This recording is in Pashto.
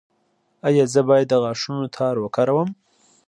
ایا زه باید د غاښونو تار وکاروم؟